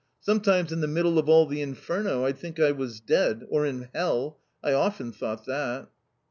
Sometimes in the middle of all the inferno I'd think I was dead; or in hell. I often thought that."